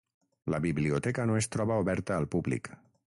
La biblioteca no es troba oberta al públic.